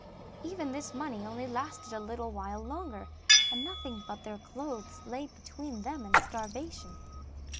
Even this money only lasted a little while longer, and nothing but their clothes lay between them and starvation.